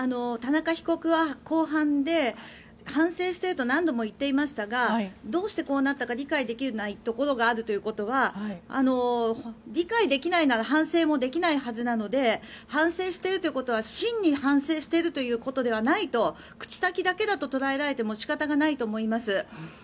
田中被告は公判で反省していると何度も言っていましたがどうしてこうなったか理解できないところがあるということは理解できないなら反省もできないはずなので反省しているということは真に反省しているということではないと口先だけだと捉えられても仕方がないと思います。